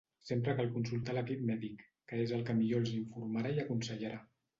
Sempre cal consultar a l'equip mèdic que és el que millor els informarà i aconsellarà.